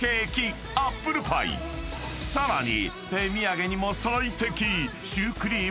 ［さらに手土産にも最適］